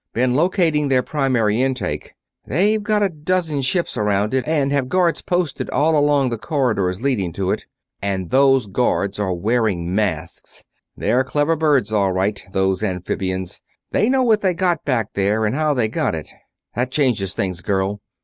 Been locating their primary intake. They've got a dozen ships around it, and have guards posted all along the corridors leading to it; and those guards are wearing masks! They're clever birds, all right, those amphibians they know what they got back there and how they got it. That changes things, girl!